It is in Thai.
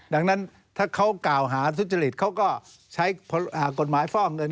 ดังนั้นถ้าเขากล่าวหาทุจริตเขาก็ใช้กฎหมายฟอกเงิน